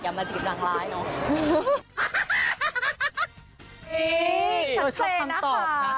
อย่ามาจีบนางร้ายเนาะ